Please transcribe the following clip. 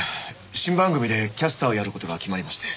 新番組でキャスターをやる事が決まりまして。